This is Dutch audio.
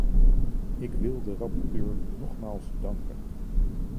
Ik wil de rapporteur nogmaals danken.